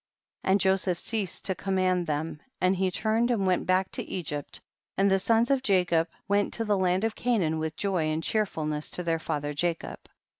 90. And Joseph ceased to com mand them, and he turned and went back to Egypt, and the sons of Jacob went to the land of Canaan with joy and cheerfulness to their father Ja cob.